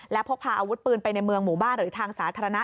และพกพาอาวุธปืนไปในเมืองหมู่บ้านหรือทางสาธารณะ